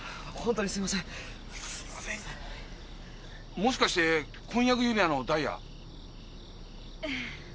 もしかして婚約指輪のダイヤ？ええ。